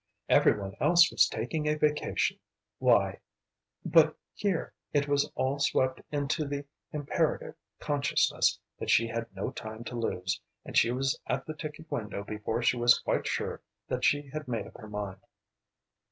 Every one else was taking a vacation, why but here it was all swept into the imperative consciousness that she had no time to lose, and she was at the ticket window before she was quite sure that she had made up her mind.